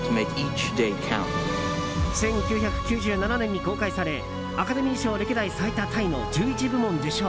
１９９７年に公開されアカデミー賞歴代最多タイの１１部門受賞。